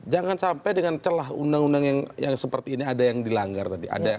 jangan sampai dengan celah undang undang yang seperti ini ada yang dilanggar tadi